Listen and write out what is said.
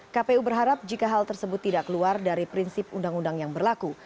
kpu berharap jika hal tersebut tidak keluar dari prinsip undang undang yang berlaku